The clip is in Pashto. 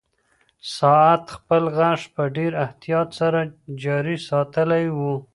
ساعت خپل غږ په ډېر احتیاط سره جاري ساتلی و.